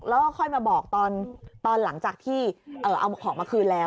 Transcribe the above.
แล้วก็ค่อยมาบอกตอนหลังจากที่เอาของมาคืนแล้ว